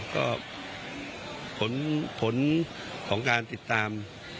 ก็ผลของการติดตาม